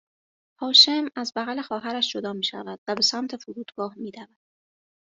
هاشم از بغل خواهرش جدا میشود و به سمت فرودگاه میدود